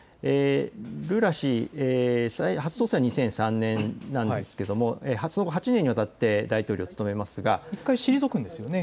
ルーラ氏初当選は２００３年なんですがその後８年にわたって大統領を務めますが１回退くんですよね。